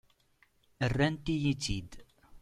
Rrant-iyi-tt-id.